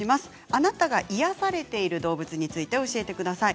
あなたが癒やされている動物について教えてください。